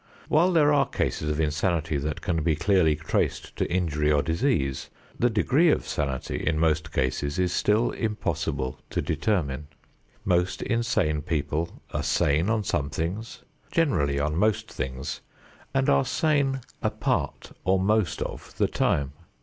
While there are cases of insanity that can be clearly traced to injury or disease, the degree of sanity in most cases is still impossible to determine. Most insane people are sane on some things, generally on most things and are sane a part or most of the time.